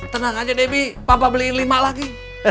tenang aja debbie papa beliin lima lagi